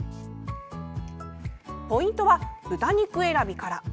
ポイントは豚肉選びから。